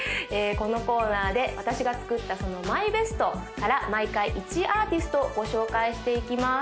このコーナーで私が作ったそのＭＹＢＥＳＴから毎回１アーティストをご紹介していきます